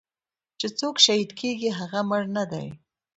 چې سوک شهيد کيګي هغه مړ نه دې.